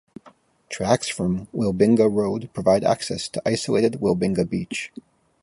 Tracks from Wilbinga Road provide access to isolated Wilbinga Beach.